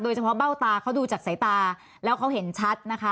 เฉพาะเบ้าตาเขาดูจากสายตาแล้วเขาเห็นชัดนะคะ